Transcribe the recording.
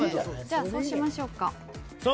じゃあそうしましょうか。